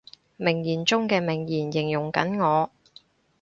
名言中嘅名言，形容緊我